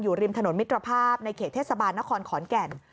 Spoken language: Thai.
ริมถนนมิตรภาพในเขตเทศบาลนครขอนแก่น